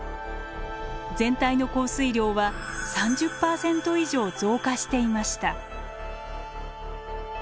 全体の降水量は３０％以上増加していました。